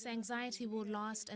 cả làng đã biết tôi bị buộc tội